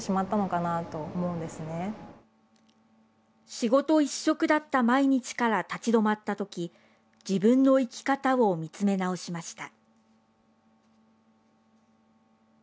仕事一色だった毎日から立ち止まったとき自分の生き方を見つめ直しました。